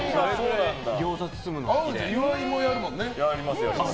岩井もやるもんね。